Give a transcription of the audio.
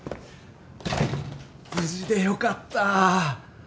無事でよかった！